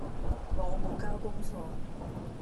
我無交功課